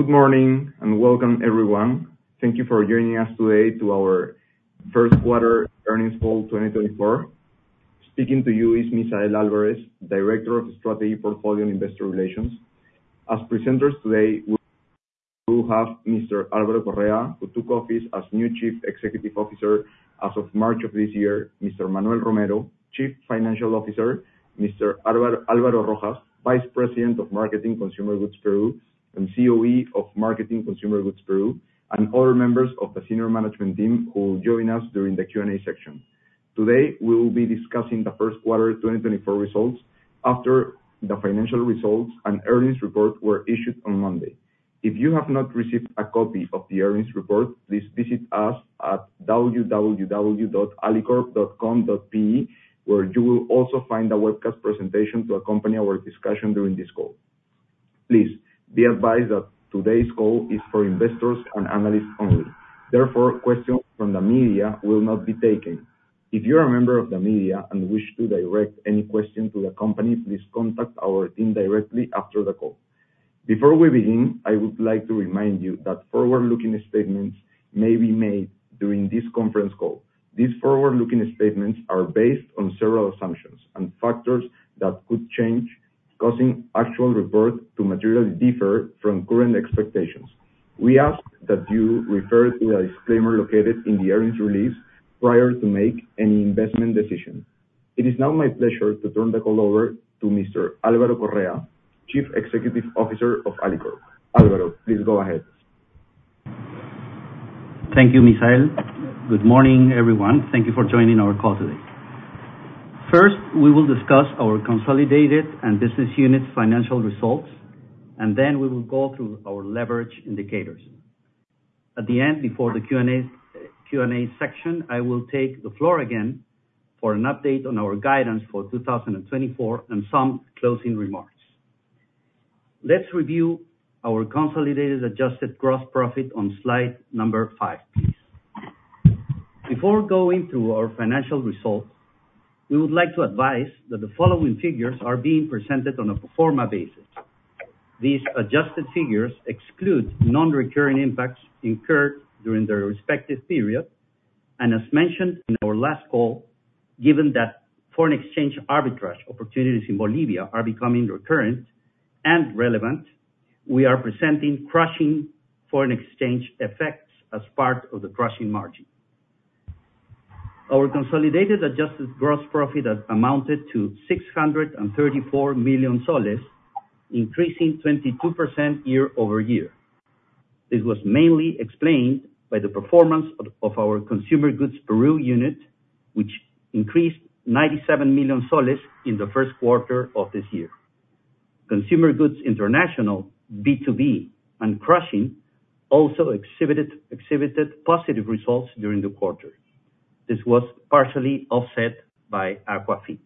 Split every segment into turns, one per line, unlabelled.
Good morning, and welcome, everyone. Thank you for joining us today to our first quarter earnings call, 2024. Speaking to you is Misael Álvarez, Director of Strategy, Portfolio, and Investor Relations. As presenters today, we will have Mr. Álvaro Correa, who took office as new Chief Executive Officer as of March of this year. Mr. Manuel Romero, Chief Financial Officer. Mr. Álvaro Rojas, Vice President of Marketing Consumer Goods Peru, and CEO of Marketing Consumer Goods Peru, and other members of the senior management team who will join us during the Q&A section. Today, we will be discussing the first quarter 2024 results after the financial results and earnings report were issued on Monday. If you have not received a copy of the earnings report, please visit us at www.alicorp.com.pe, where you will also find a webcast presentation to accompany our discussion during this call. Please be advised that today's call is for investors and analysts only. Therefore, questions from the media will not be taken. If you're a member of the media and wish to direct any questions to the company, please contact our team directly after the call. Before we begin, I would like to remind you that forward-looking statements may be made during this conference call. These forward-looking statements are based on several assumptions and factors that could change, causing actual reports to materially differ from current expectations. We ask that you refer to the disclaimer located in the earnings release prior to make any investment decision. It is now my pleasure to turn the call over to Mr. Álvaro Correa, Chief Executive Officer of Alicorp. Alvaro, please go ahead.
Thank you, Misael. Good morning, everyone. Thank you for joining our call today. First, we will discuss our consolidated and business units' financial results, and then we will go through our leverage indicators. At the end, before the Q&A section, I will take the floor again for an update on our guidance for 2024 and some closing remarks. Let's review our consolidated adjusted gross profit on slide number five, please. Before going through our financial results, we would like to advise that the following figures are being presented on a pro forma basis. These adjusted figures exclude non-recurring impacts incurred during their respective period, and as mentioned in our last call, given that foreign exchange arbitrage opportunities in Bolivia are becoming recurrent and relevant, we are presenting crushing foreign exchange effects as part of the crushing margin. Our consolidated adjusted gross profit has amounted to PEN 634 million, increasing 22% year-over-year. This was mainly explained by the performance of our Consumer Goods Peru unit, which increased PEN 97 million in the first quarter of this year. Consumer Goods International, B2B, and Crushing also exhibited positive results during the quarter. This was partially offset by Aqua Feed.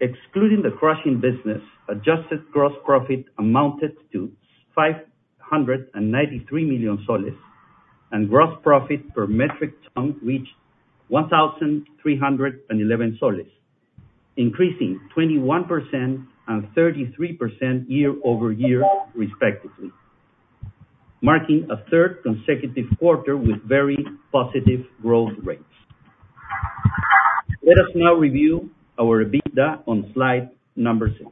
Excluding the crushing business, adjusted gross profit amounted to PEN 593 million, and gross profit per metric ton reached PEN 1,311, increasing 21% and 33% year-over-year, respectively, marking a third consecutive quarter with very positive growth rates. Let us now review our EBITDA on slide number six.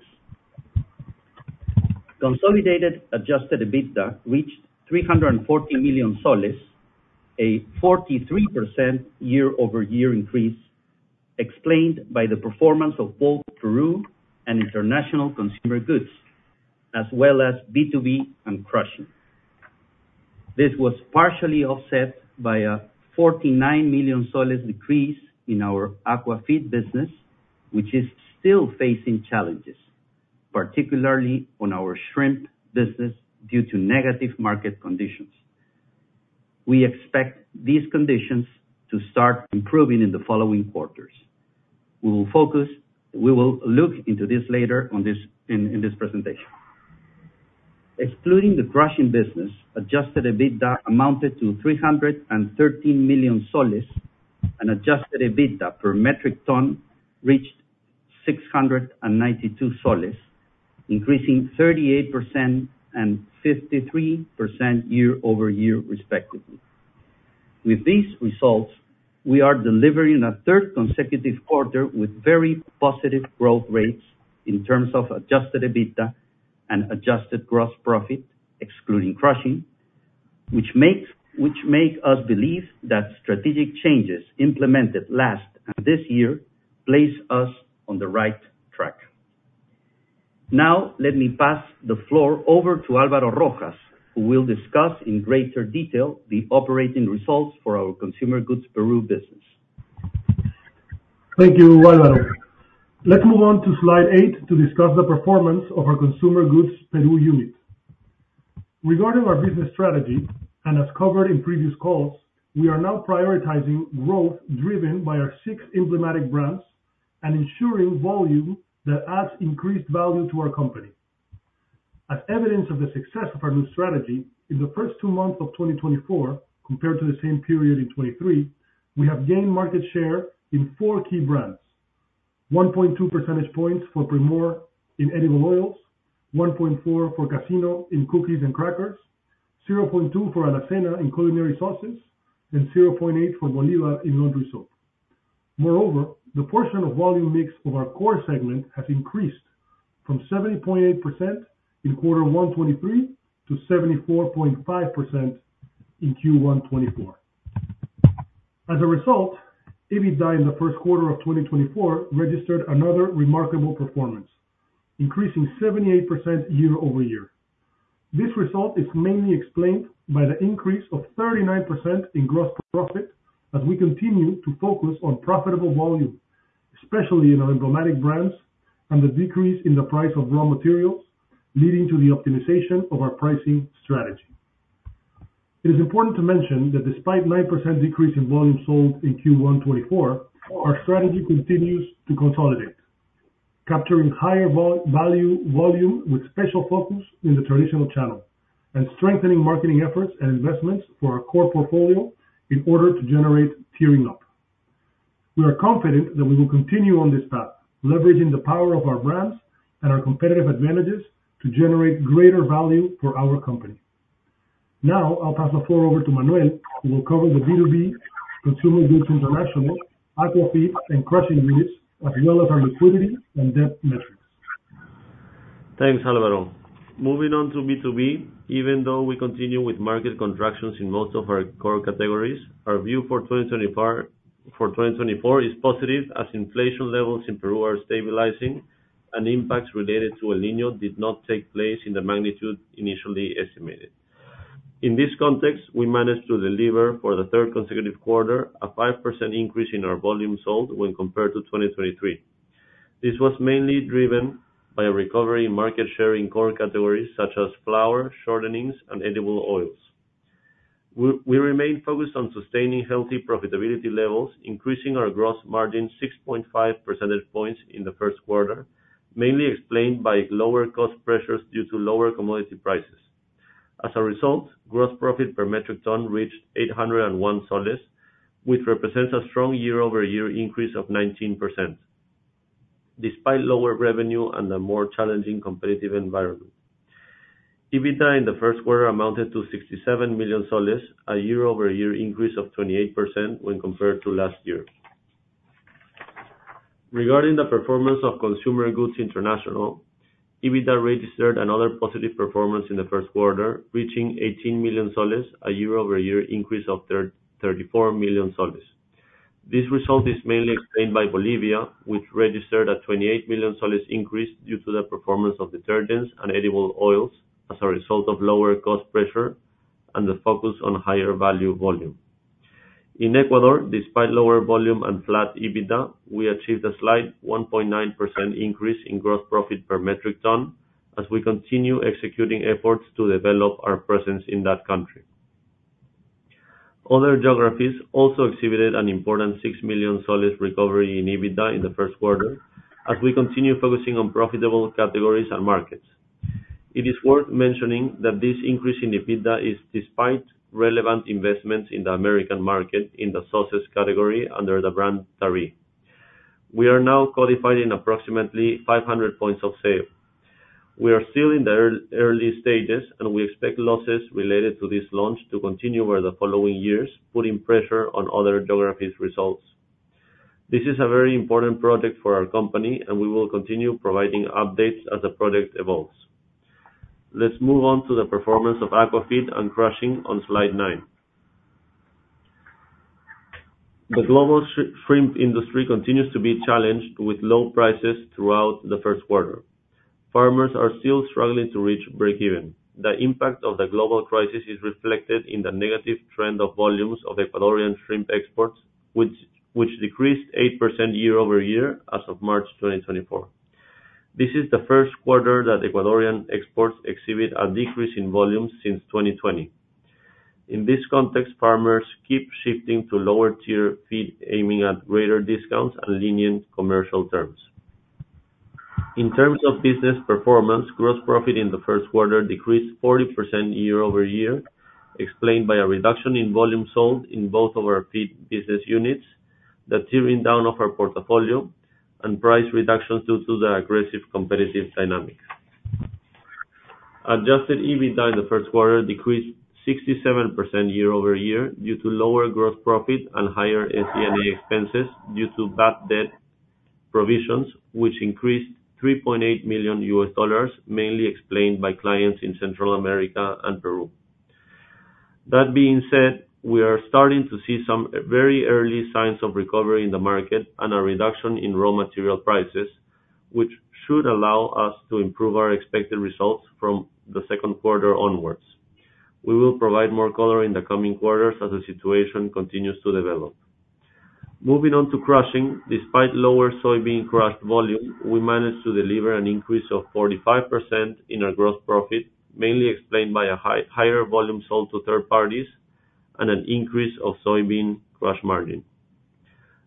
Consolidated adjusted EBITDA reached PEN 340 million, a 43% year-over-year increase, explained by the performance of both Peru and International Consumer Goods, as well as B2B and Crushing. This was partially offset by a PEN 49 million decrease in our Aqua Feed business, which is still facing challenges, particularly on our shrimp business, due to negative market conditions. We expect these conditions to start improving in the following quarters. We will look into this later on this, in this presentation. Excluding the Crushing business, adjusted EBITDA amounted to PEN 313 million, and adjusted EBITDA per metric ton reached PEN 692, increasing 38% and 53% year-over-year, respectively. With these results, we are delivering a third consecutive quarter with very positive growth rates in terms of adjusted EBITDA and adjusted gross profit, excluding crushing, which make us believe that strategic changes implemented last and this year place us on the right track. Now, let me pass the floor over to Alvaro Rojas, who will discuss in greater detail the operating results for our Consumer Goods Peru business.
Thank you, Álvaro. Let's move on to slide eight to discuss the performance of our Consumer Goods Peru unit. Regarding our business strategy, and as covered in previous calls, we are now prioritizing growth driven by our six emblematic brands and ensuring volume that adds increased value to our company. As evidence of the success of our new strategy, in the first two months of 2024, compared to the same period in 2023, we have gained market share in four key brands: 1.2 percentage points for Primor in edible oils, 1.4 for Casino in cookies and crackers, 0.2 for Alacena in culinary sauces, and 0.8 for Bolívar in laundry soap. Moreover, the portion of volume mix of our core segment has increased from 70.8% in Q1 2023, to 74.5% in Q1 2024. As a result, EBITDA in the first quarter of 2024 registered another remarkable performance, increasing 78% year-over-year. This result is mainly explained by the increase of 39% in gross profit, as we continue to focus on profitable volume, especially in our emblematic brands, and the decrease in the price of raw materials, leading to the optimization of our pricing strategy. It is important to mention that despite 9% decrease in volume sold in Q1 2024, our strategy continues to consolidate, capturing higher volume with special focus in the traditional channel, and strengthening marketing efforts and investments for our core portfolio in order to generate tiering up. We are confident that we will continue on this path, leveraging the power of our brands and our competitive advantages to generate greater value for our company. Now, I'll pass the floor over to Manuel, who will cover the B2B, Consumer Goods International, Aqua Feed, and Crushing units, as well as our liquidity and debt metrics.
Thanks, Álvaro. Moving on to B2B, even though we continue with market contractions in most of our core categories, our view for 2024, for 2024 is positive, as inflation levels in Peru are stabilizing, and impacts related to El Niño did not take place in the magnitude initially estimated. In this context, we managed to deliver, for the third consecutive quarter, a 5% increase in our volume sold when compared to 2023. This was mainly driven by a recovery in market share in core categories such as flour, shortenings, and edible oils. We remain focused on sustaining healthy profitability levels, increasing our gross margin 6.5 percentage points in the first quarter, mainly explained by lower cost pressures due to lower commodity prices. As a result, gross profit per metric ton reached PEN 801, which represents a strong year-over-year increase of 19%, despite lower revenue and a more challenging competitive environment. EBITDA in the first quarter amounted to PEN 67 million, a year-over-year increase of 28% when compared to last year. Regarding the performance of Consumer Goods International, EBITDA registered another positive performance in the first quarter, reaching PEN 18 million, a year-over-year increase of 34 million soles. This result is mainly explained by Bolivia, which registered a PEN 28 million increase due to the performance of detergents and edible oils as a result of lower cost pressure and the focus on higher value volume. In Ecuador, despite lower volume and flat EBITDA, we achieved a slight 1.9% increase in gross profit per metric ton, as we continue executing efforts to develop our presence in that country. Other geographies also exhibited an important PEN 6 million recovery in EBITDA in the first quarter, as we continue focusing on profitable categories and markets. It is worth mentioning that this increase in EBITDA is despite relevant investments in the American market, in the sauces category, under the brand Tari. We are now codified in approximately 500 points of sale. We are still in the early stages, and we expect losses related to this launch to continue over the following years, putting pressure on other geographies results. This is a very important project for our company, and we will continue providing updates as the project evolves. Let's move on to the performance of Aqua Feed and Crushing on slide nine. The global shrimp industry continues to be challenged with low prices throughout the first quarter. Farmers are still struggling to reach break even. The impact of the global crisis is reflected in the negative trend of volumes of Ecuadorian shrimp exports, which decreased 8% year-over-year as of March 2024. This is the first quarter that Ecuadorian exports exhibit a decrease in volume since 2020. In this context, farmers keep shifting to lower tier feed, aiming at greater discounts and lenient commercial terms. In terms of business performance, gross profit in the first quarter decreased 40% year-over-year, explained by a reduction in volume sold in both of our feed business units, the tiering down of our portfolio, and price reductions due to the aggressive competitive dynamics. Adjusted EBITDA in the first quarter decreased 67% year-over-year, due to lower gross profit and higher SG&A expenses, due to bad debt provisions, which increased $3.8 million, mainly explained by clients in Central America and Peru. That being said, we are starting to see some very early signs of recovery in the market and a reduction in raw material prices, which should allow us to improve our expected results from the second quarter onwards. We will provide more color in the coming quarters as the situation continues to develop. Moving on to Crushing. Despite lower soybean crush volume, we managed to deliver an increase of 45% in our gross profit, mainly explained by higher volume sold to third parties, and an increase of soybean crush margin.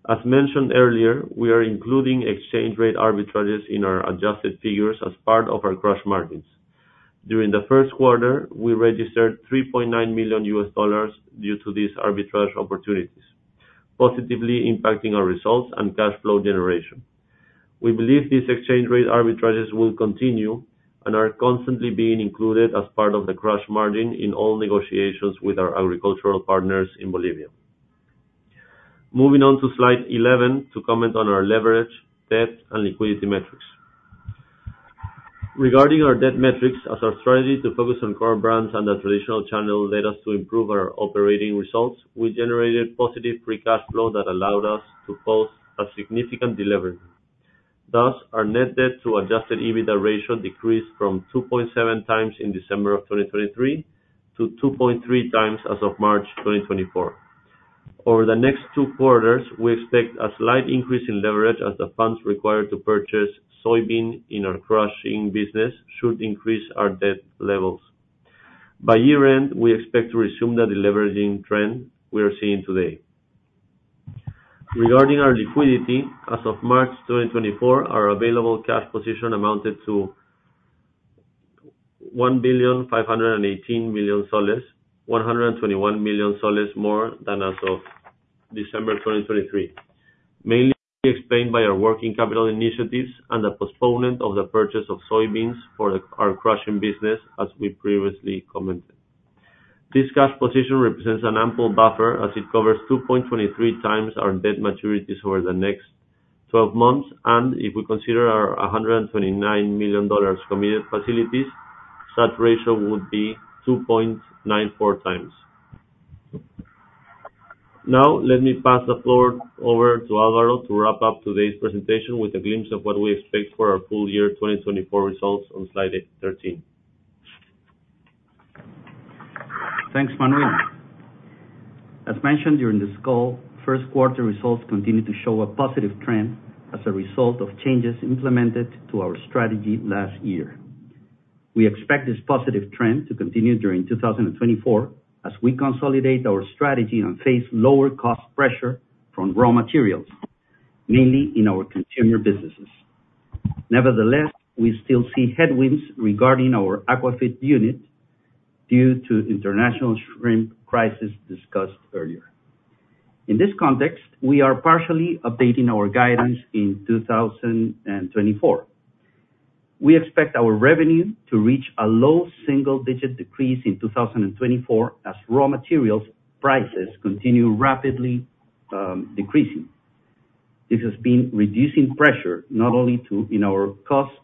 As mentioned earlier, we are including exchange rate arbitrages in our adjusted figures as part of our crush margins. During the first quarter, we registered $3.9 million due to these arbitrage opportunities, positively impacting our results and cash flow generation. We believe these exchange rate arbitrages will continue and are constantly being included as part of the crush margin in all negotiations with our agricultural partners in Bolivia. Moving on to slide 11 to comment on our leverage, debt, and liquidity metrics. Regarding our debt metrics, as our strategy to focus on core brands and the traditional channel led us to improve our operating results, we generated positive free cash flow that allowed us to post a significant delivery. Thus, our net debt to adjusted EBITDA ratio decreased from 2.7x in December 2023 to 2.3x as of March 2024. Over the next two quarters, we expect a slight increase in leverage as the funds required to purchase soybean in our crushing business should increase our debt levels. By year-end, we expect to resume the deleveraging trend we are seeing today. Regarding our liquidity, as of March 2024, our available cash position amounted to PEN 1.518 billion, PEN 121 million more than as of December 2023. Mainly explained by our working capital initiatives and the postponement of the purchase of soybeans for our crushing business, as we previously commented. This cash position represents an ample buffer, as it covers 2.23x our debt maturities over the next 12 months, and if we consider our $129 million committed facilities, such ratio would be 2.94x. Now, let me pass the floor over to Álvaro to wrap up today's presentation with a glimpse of what we expect for our full year 2024 results on slide 13.
Thanks, Manuel. As mentioned during this call, first quarter results continue to show a positive trend as a result of changes implemented to our strategy last year. We expect this positive trend to continue during 2024 as we consolidate our strategy and face lower cost pressure from raw materials, mainly in our consumer businesses. Nevertheless, we still see headwinds regarding our aqua feed unit due to international shrimp crisis discussed earlier. In this context, we are partially updating our guidance in 2024. We expect our revenue to reach a low single-digit decrease in 2024 as raw materials prices continue rapidly decreasing. This has been reducing pressure not only in our cost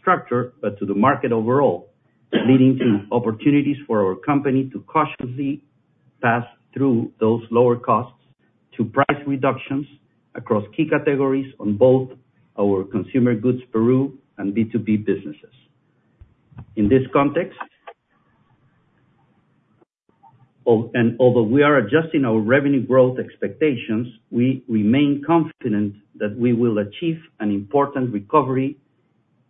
structure, but to the market overall, leading to opportunities for our company to cautiously pass through those lower costs to price reductions across key categories on both our Consumer Goods Peru and B2B businesses. In this context... Oh, and although we are adjusting our revenue growth expectations, we remain confident that we will achieve an important recovery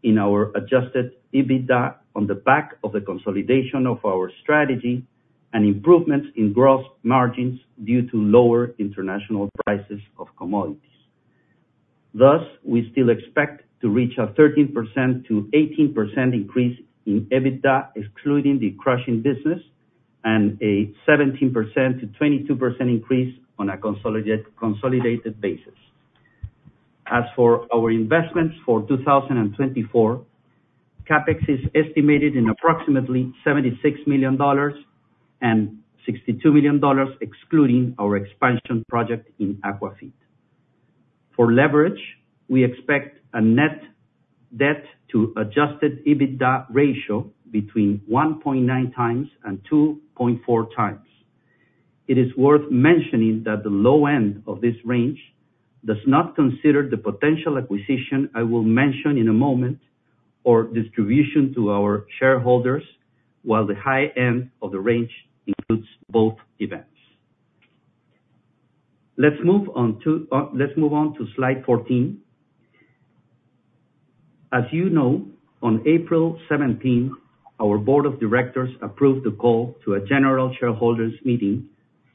in our adjusted EBITDA on the back of the consolidation of our strategy and improvements in gross margins due to lower international prices of commodities. Thus, we still expect to reach a 13%-18% increase in EBITDA, excluding the crushing business, and a 17%-22% increase on a consolidated basis. As for our investments for 2024, CapEx is estimated in approximately $76 million and $62 million, excluding our expansion project in Aqua Feed. For leverage, we expect a net debt to adjusted EBITDA ratio between 1.9x and 2.4x. It is worth mentioning that the low end of this range does not consider the potential acquisition I will mention in a moment or distribution to our shareholders, while the high end of the range includes both events. Let's move on to, let's move on to slide 14. As you know, on April seventeenth, our board of directors approved a call to a general shareholders meeting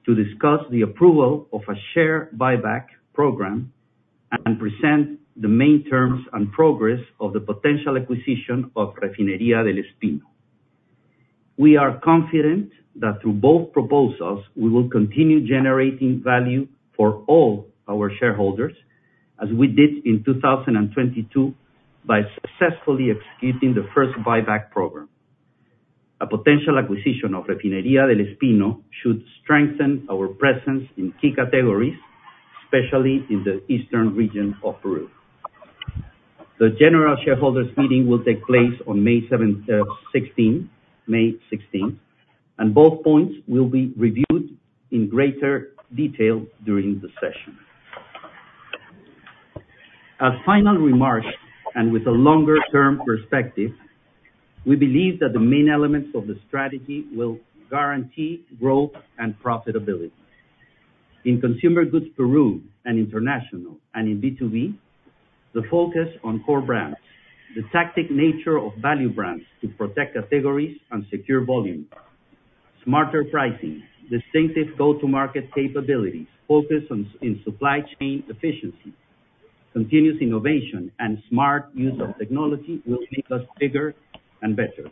to discuss the approval of a share buyback program and present the main terms and progress of the potential acquisition of Refinería del Espino. We are confident that through both proposals, we will continue generating value for all our shareholders, as we did in 2022, by successfully executing the first buyback program. A potential acquisition of Refinería del Espino should strengthen our presence in key categories, especially in the eastern region of Peru. The general shareholders meeting will take place on May sixteenth, and both points will be reviewed in greater detail during the session. As final remarks, and with a longer-term perspective, we believe that the main elements of the strategy will guarantee growth and profitability. In Consumer Goods Peru and international, and in B2B, the focus on core brands, the tactical nature of value brands to protect categories and secure volume.... Smarter pricing, distinctive go-to-market capabilities, focus on sustainability in supply chain efficiency, continuous innovation, and smart use of technology will make us bigger and better.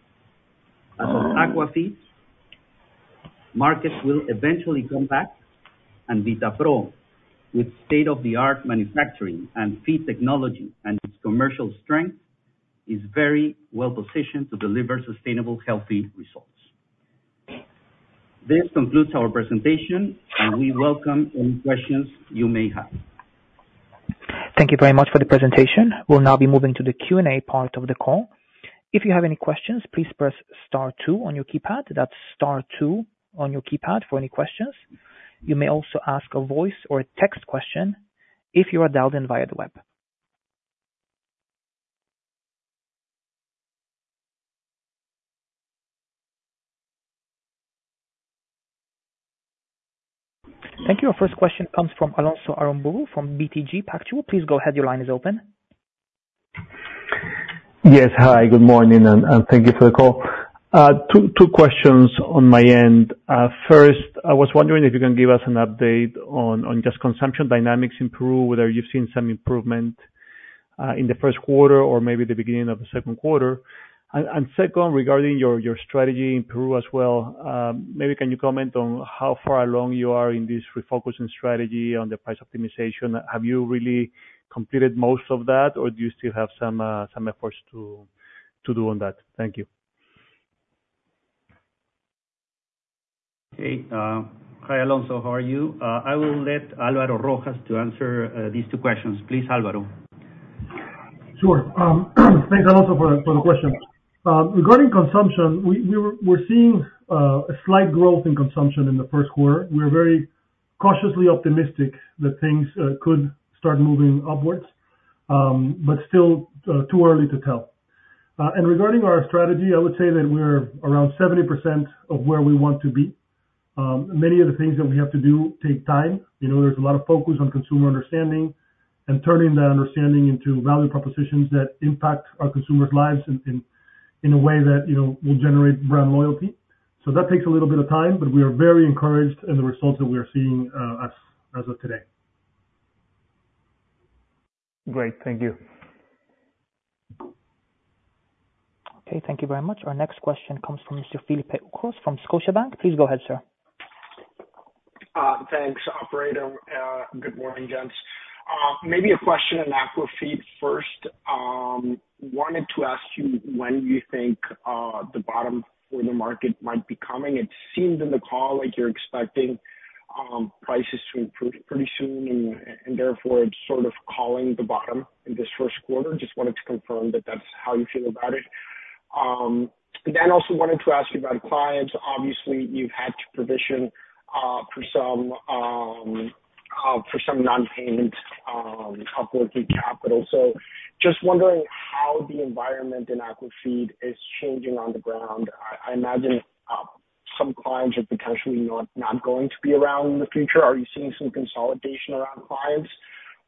As for Aqua Feed, markets will eventually come back, and Vitapro, with state-of-the-art manufacturing and feed technology and its commercial strength, is very well positioned to deliver sustainable, healthy results. This concludes our presentation, and we welcome any questions you may have.
Thank you very much for the presentation. We'll now be moving to the Q&A part of the call. If you have any questions, please press star two on your keypad. That's star two on your keypad for any questions. You may also ask a voice or a text question if you are dialed in via the web. Thank you. Our first question comes from Alonso Aramburu from BTG Pactual. Please go ahead. Your line is open.
Yes, hi, good morning, and thank you for the call. Two questions on my end. First, I was wondering if you can give us an update on just consumption dynamics in Peru, whether you've seen some improvement in the first quarter or maybe the beginning of the second quarter. Second, regarding your strategy in Peru as well, maybe can you comment on how far along you are in this refocusing strategy on the price optimization? Have you really completed most of that, or do you still have some efforts to do on that? Thank you.
Okay, hi, Alonso, how are you? I will let Alvaro Rojas to answer these two questions. Please, Alvaro.
Sure. Thanks a lot for the question. Regarding consumption, we're seeing a slight growth in consumption in the first quarter. We're very cautiously optimistic that things could start moving upwards, but still too early to tell. Regarding our strategy, I would say that we're around 70% of where we want to be. Many of the things that we have to do take time. You know, there's a lot of focus on consumer understanding and turning that understanding into value propositions that impact our consumers' lives in a way that will generate brand loyalty. So that takes a little bit of time, but we are very encouraged in the results that we are seeing as of today.
Great, thank you.
Okay, thank you very much. Our next question comes from Mr. Felipe Ucrós from Scotiabank. Please go ahead, sir.
Thanks, operator. Good morning, gents. Maybe a question on Aqua Feed first. Wanted to ask you when you think the bottom for the market might be coming. It seemed in the call like you're expecting prices to improve pretty soon, and therefore sort of calling the bottom in this first quarter. Just wanted to confirm that that's how you feel about it. Then also wanted to ask you about clients. Obviously, you've had to provision for some non-payment working capital. So just wondering how the environment in Aqua Feed is changing on the ground. I imagine some clients are potentially not going to be around in the future. Are you seeing some consolidation around clients?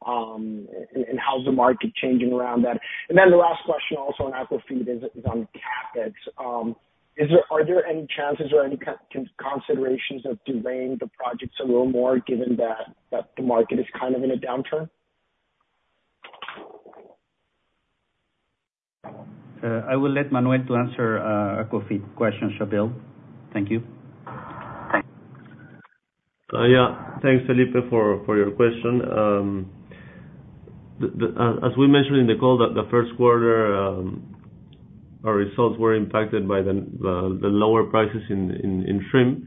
And how's the market changing around that? And then the last question also on Aqua Feed is on CapEx. Is there, are there any chances or any considerations of delaying the projects a little more, given that the market is kind of in a downturn?
I will let Manuel to answer Aqua Feed question, Felipe. Thank you.
Thanks.
Yeah, thanks, Felipe, for your question. As we mentioned in the call, the first quarter, our results were impacted by the lower prices in shrimp.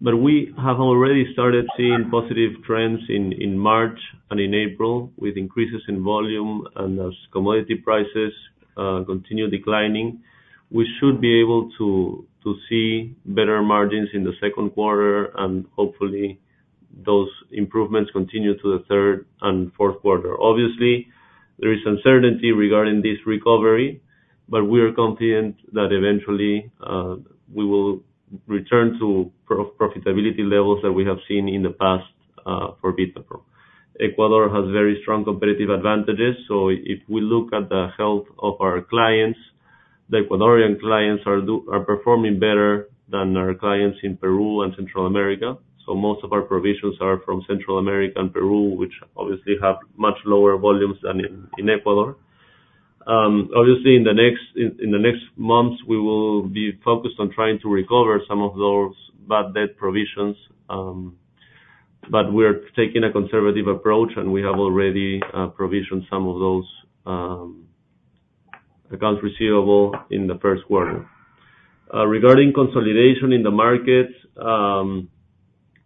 But we have already started seeing positive trends in March and in April, with increases in volume and as commodity prices continue declining, we should be able to see better margins in the second quarter, and hopefully those improvements continue to the third and fourth quarter. Obviously, there is uncertainty regarding this recovery, but we are confident that eventually we will return to profitability levels that we have seen in the past for Vitapro. Ecuador has very strong competitive advantages, so if we look at the health of our clients, the Ecuadorian clients are performing better than our clients in Peru and Central America. So most of our provisions are from Central America and Peru, which obviously have much lower volumes than in Ecuador. Obviously, in the next months, we will be focused on trying to recover some of those bad debt provisions, but we're taking a conservative approach, and we have already provisioned some of those accounts receivable in the first quarter. Regarding consolidation in the market,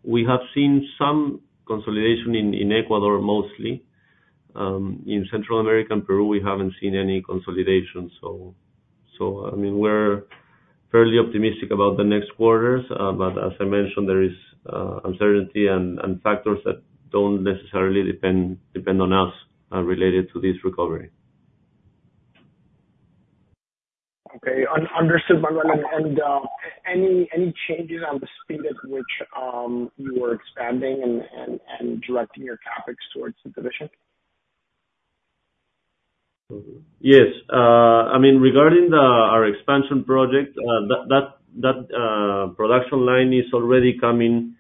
we have seen some consolidation in Ecuador mostly. In Central America and Peru, we haven't seen any consolidation, so I mean, we're fairly optimistic about the next quarters. But as I mentioned, there is uncertainty and factors that don't necessarily depend on us related to this recovery.
Okay, understood, Manuel. And any changes on the speed at which you are expanding and directing your CapEx towards the division? ...
Yes. I mean, regarding our expansion project, that production line is already coming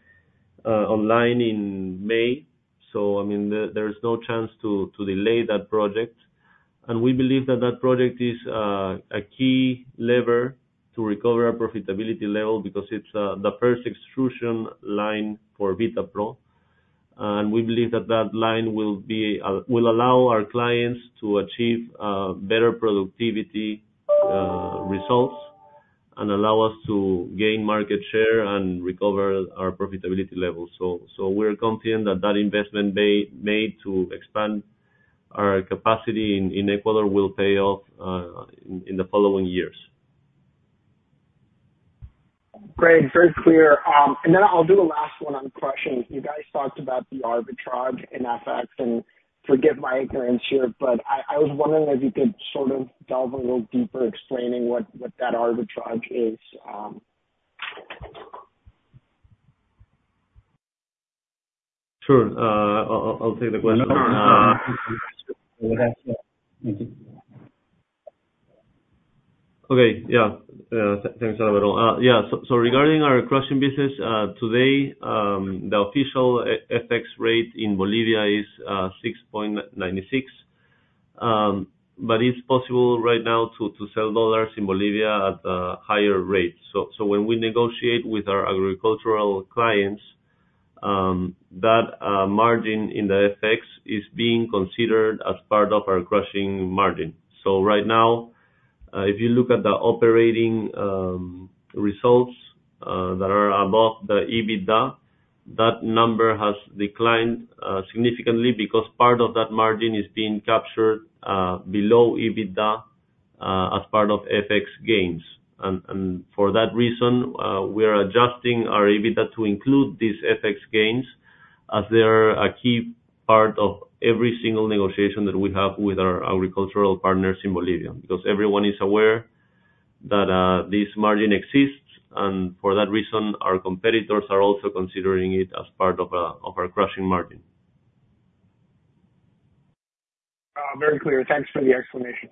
online in May. So I mean, there is no chance to delay that project. And we believe that that project is a key lever to recover our profitability level because it's the first extrusion line for Vitapro. And we believe that that line will allow our clients to achieve better productivity results, and allow us to gain market share and recover our profitability levels. So we're confident that that investment we made to expand our capacity in Ecuador will pay off in the following years.
Great, very clear. And then I'll do a last one on crushing. You guys talked about the arbitrage in FX, and forgive my ignorance here, but I was wondering if you could sort of delve a little deeper explaining what that arbitrage is?
Sure. I'll take the question.
Go ahead.
Okay. Yeah, thanks, Álvaro. Yeah, so regarding our crushing business, today, the official FX rate in Bolivia is 6.96. But it's possible right now to sell dollars in Bolivia at a higher rate. So when we negotiate with our agricultural clients, that margin in the FX is being considered as part of our crushing margin. So right now, if you look at the operating results that are above the EBITDA, that number has declined significantly because part of that margin is being captured below EBITDA as part of FX gains. For that reason, we are adjusting our EBITDA to include these FX gains, as they're a key part of every single negotiation that we have with our agricultural partners in Bolivia. Because everyone is aware that this margin exists, and for that reason, our competitors are also considering it as part of our crushing margin.
Very clear. Thanks for the explanation.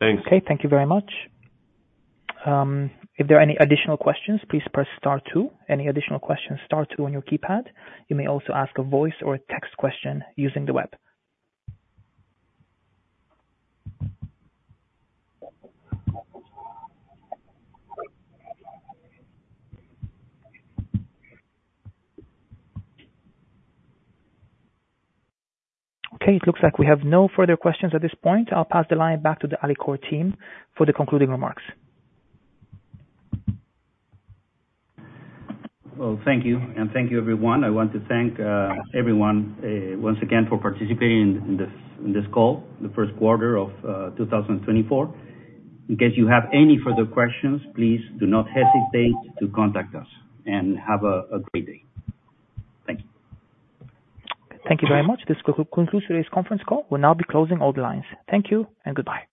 Thanks.
Okay, thank you very much. If there are any additional questions, please press star two. Any additional questions, star two on your keypad. You may also ask a voice or a text question using the web. Okay, it looks like we have no further questions at this point. I'll pass the line back to the Alicorp team for the concluding remarks.
Well, thank you, and thank you, everyone. I want to thank everyone once again for participating in this call, the first quarter of 2024. In case you have any further questions, please do not hesitate to contact us. And have a great day. Thank you.
Thank you very much. This concludes today's conference call. We'll now be closing all the lines. Thank you and goodbye.